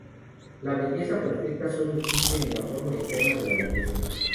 La belleza perfecta existe solo en la forma eterna de la belleza.